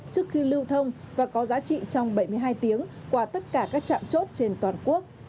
trước khi lưu thông và có giá trị trong bảy mươi hai tiếng qua tất cả các trạm chốt trên toàn quốc